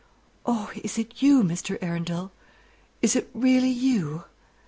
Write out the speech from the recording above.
"Oh, is it you, Mr. Arundel? Is it really you?"